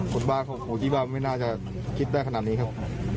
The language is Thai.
คนบ้าของโหจีบ้าไม่น่าจะคิดแบบขนาดนี้ครับ